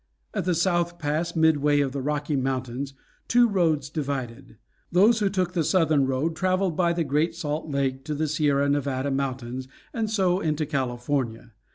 At the South Pass, midway of the Rocky Mountains, two roads divided; those who took the southern road traveled by the Great Salt Lake to the Sierra Nevada Mountains, and so into California.